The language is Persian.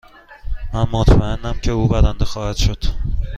من مطمئنم که او برنده خواهد شد.